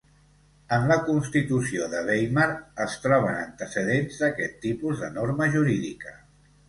En la Constitució de Weimar es troben antecedents d'aquest tipus de norma jurídica.